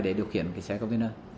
để điều khiển xe container